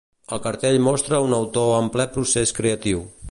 El cartell mostra a un autor en ple procés creatiu.